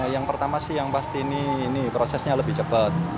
yang pertama sih yang pasti ini prosesnya lebih cepat